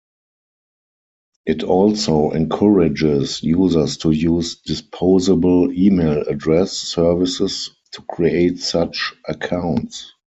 It also encourages users to use disposable email address services to create such accounts.